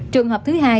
trường hợp thứ hai